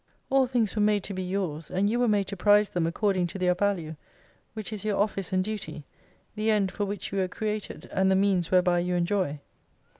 All things were made to be yours, and you were made to prize them according to their value : which is your office and duty, the end for which you were created, and the means whereby you enjoy.